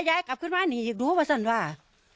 ภรรยาก็บอกว่านายเทวีอ้างว่าไม่จริงนายทองม่วนขโมย